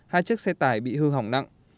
hai chiếc xe tải bị hư hỏng nặng